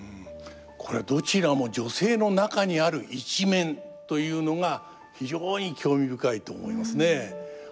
これどちらも女性の中にある一面というのが非常に興味深いと思いますね。